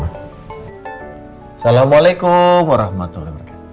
assalamualaikum warahmatullahi wabarakatuh